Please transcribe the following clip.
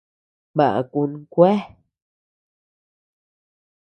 Baʼa kun kuea.